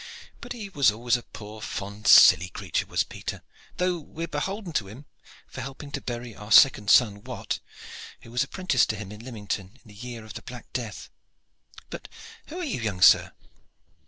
But he was always a poor, fond, silly creature, was Peter, though we are beholden to him for helping to bury our second son Wat, who was a 'prentice to him at Lymington in the year of the Black Death. But who are you, young sir?"